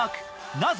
なぜ？